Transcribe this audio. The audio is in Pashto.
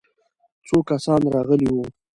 څو کسان راغلي وو؟